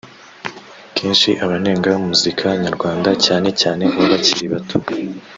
Kenshi abanenga muzika nyarwanda cyane cyane uw’abakiri bato